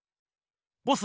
ボス